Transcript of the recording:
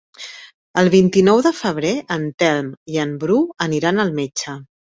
El vint-i-nou de febrer en Telm i en Bru aniran al metge.